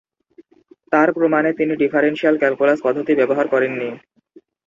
তার প্রমাণে তিনি ডিফারেনশিয়াল ক্যালকুলাস পদ্ধতি ব্যবহার করেননি।